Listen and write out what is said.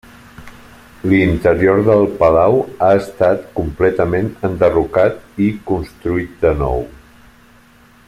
L'interior del palau ha estat completament enderrocat i construït de nou.